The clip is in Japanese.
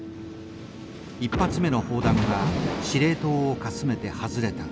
１発目の砲弾は司令塔をかすめて外れた。